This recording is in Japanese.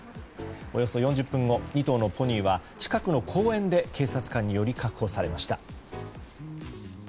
およそ４０分後２頭のポニーは近くの公園で警察官により確保されました。